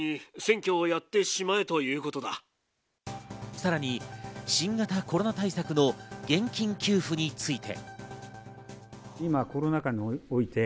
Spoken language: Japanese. さらに新型コロナ対策の現金給付について。